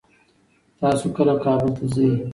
تاسو کله کابل ته ځئ؟